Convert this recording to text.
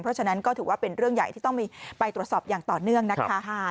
เพราะฉะนั้นก็ถือว่าเป็นเรื่องใหญ่ที่ต้องมีไปตรวจสอบอย่างต่อเนื่องนะคะ